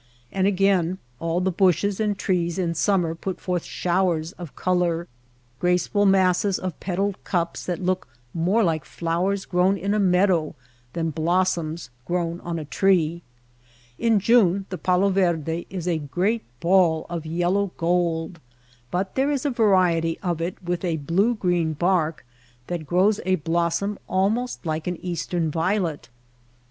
And again all the bushes and trees in summer put forth showers of color — graceful masses of petaled cups that look more like flowers grown in a meadow than blossoms grown on a tree. In June the palo verde is a great ball of yellow gold, but there is a variety of it with a blue green bark that grows a blossom almost like an CACTUS AND GREASEWOOD 147 eastern violet.